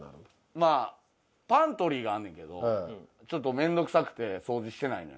まあパントリーがあんねんけどちょっと面倒くさくて掃除してないのよ。